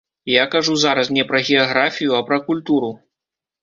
Я кажу зараз не пра геаграфію, а пра культуру.